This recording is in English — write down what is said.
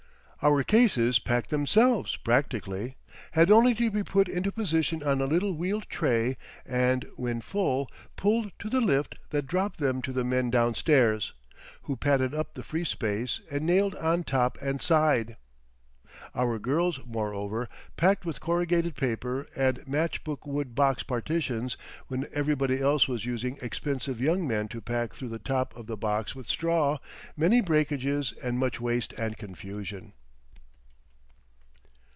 Our cases packed themselves, practically; had only to be put into position on a little wheeled tray and when full pulled to the lift that dropped them to the men downstairs, who padded up the free space and nailed on top and side. Our girls, moreover, packed with corrugated paper and matchbook wood box partitions when everybody else was using expensive young men to pack through the top of the box with straw, many breakages and much waste and confusion.